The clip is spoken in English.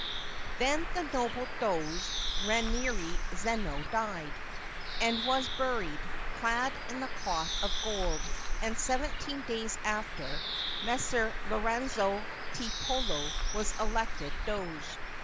] Then the noble Doge Rainieri Zeno died, and was buried, clad in cloth of gold; and seventeen days after, Messer Lorenzo Tiepolo was elected Doge.